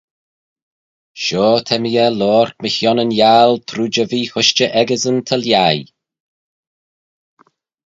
Shoh ta mee er loayrt mychione yn aggle trooid y vee-hushtey echeysyn ta lhaih.